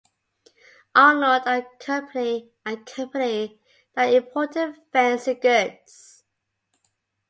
Arnold and Company, a company that imported fancy goods.